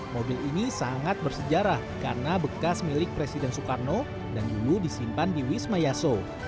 mobil ini sangat bersejarah karena bekas milik presiden soekarno dan dulu disimpan di wisma yaso